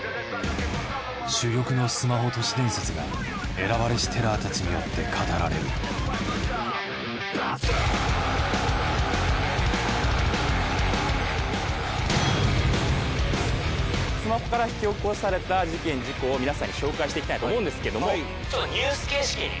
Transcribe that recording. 珠玉のスマホ都市伝説が選ばれしテラーたちによって語られるスマホから引き起こされた事件事故を皆さんに紹介していきたいと思うんですけどもちょっとニュース形式に。